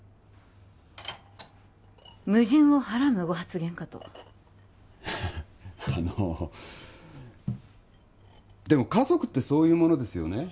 矛盾をはらむご発言かとあのでも家族ってそういうものですよね？